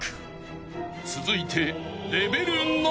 ［続いて］